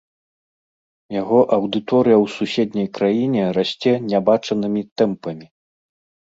Яго аўдыторыя ў суседняй краіне расце нябачанымі тэмпамі.